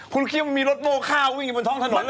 คุณคิดว่ามันมีรถโม่ข้าววิ่งอยู่บนท้องถนนแล้วไง